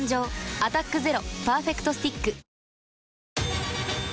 「アタックＺＥＲＯパーフェクトスティック」